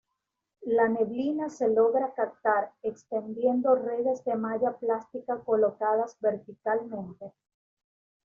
La neblina se logra captar, extendiendo redes de malla plástica colocadas verticalmente.